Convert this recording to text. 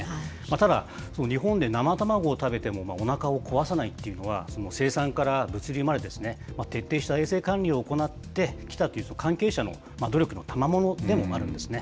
ただ、日本で生卵を食べてもおなかを壊さないっていうのは、生産から物流まで、徹底した衛生管理を行ってきたという関係者の努力のたまものでもあるんですね。